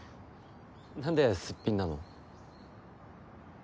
なんですっぴんなの？